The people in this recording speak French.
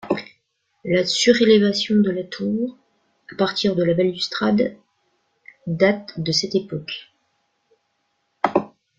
La surélévation de la tour, à partir de la balustrade, date de cette époque.